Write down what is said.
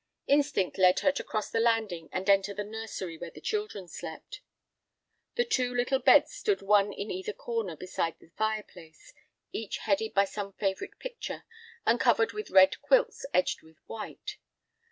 Instinct led her to cross the landing and enter the nursery where her children slept. The two little beds stood one in either corner beside the fireplace, each headed by some favorite picture, and covered with red quilts edged with white.